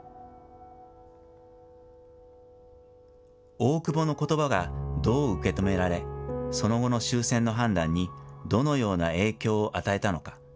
大久保のことばがどう受け止められ、その後の終戦の判断にどのような影響を与えたのか。